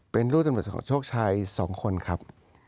เป็นรูปตำรวจโชคชัย๒คนครับ